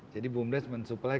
jadi bumdes mensupply